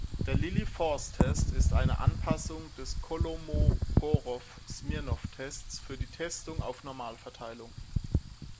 Der Lilliefors-Test ist eine Anpassung des Kolmogorow-Smirnow-Tests für die Testung auf Normalverteilung.